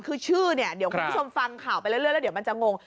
คือชื่อเนี่ยเดี๋ยวคุณผู้ชมฟังข่าวไปเรื่อยแล้วเดี๋ยวมันจะงง